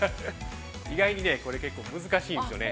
◆意外に、これ結構難しいんですよね。